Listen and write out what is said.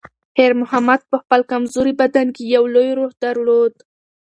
خیر محمد په خپل کمزوري بدن کې یو لوی روح درلود.